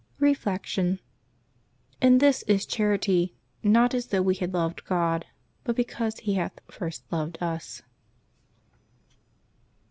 Reflection. —" In this is charity : not as though we had loved God, but because He hath first loved us."